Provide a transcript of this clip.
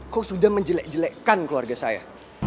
kok sudah menjelek jelekkan keluarga saya